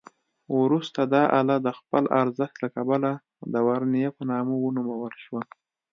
وروسته دا آله د خپل ارزښت له کبله د ورنیه په نامه ونومول شوه.